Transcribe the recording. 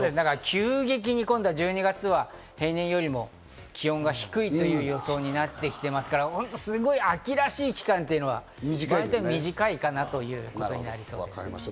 急激に１２月は平年よりも気温が低いという予想になってますから、秋らしい期間というのは割と短いかなということになりそうです。